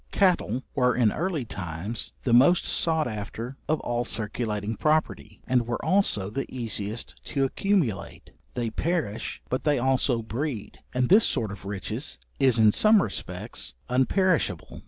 Cattle were in early times the most sought after of all circulating property; and were also the easiest to accumulate; they perish, but they also breed, and this sort of riches is in some respects unperishable.